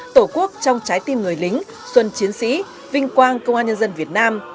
tổ quốc trong trái tim người lính xuân chiến sĩ vinh quang công an nhân dân việt nam